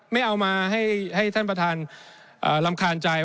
ไม่เอามาให้ท่านประธานรำคาญใจ